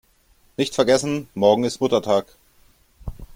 Nicht vergessen: Morgen ist Muttertag!